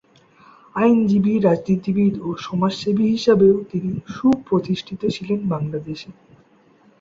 আইনজীবী, রাজনীতিবিদ ও সমাজসেবী হিসেবেও তিনি সুপ্রতিষ্ঠিত ছিলেন বাংলাদেশে।